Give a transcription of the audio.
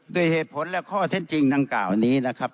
ด้วยเหตุผลและข้อเท็จจริงดังกล่าวนี้นะครับ